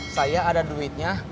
saya ada duitnya